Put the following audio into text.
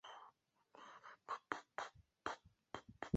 易贡紫柄蕨为金星蕨科紫柄蕨属下的一个种。